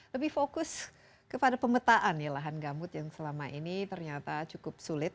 lebih fokus kepada pemetaan ya lahan gambut yang selama ini ternyata cukup sulit